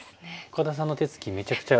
岡田さんの手つきめちゃくちゃ。